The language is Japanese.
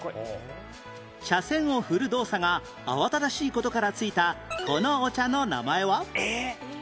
茶筅を振る動作が慌ただしい事から付いたこのお茶の名前は？